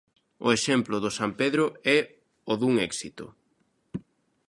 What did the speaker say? O exemplo do San Pedro é o dun éxito.